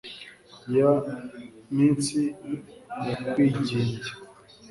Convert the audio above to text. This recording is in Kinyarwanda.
ya minsi yakwigimbye